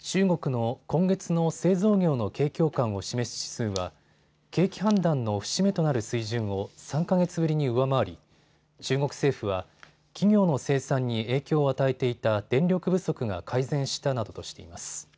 中国の今月の製造業の景況感を示す指数は景気判断の節目となる水準を３か月ぶりに上回り、中国政府は企業の生産に影響を与えていた電力不足が改善したなどとしています。